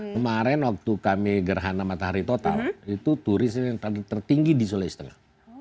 kemarin waktu kami gerhana matahari total itu turis yang tertinggi di sulawesi tengah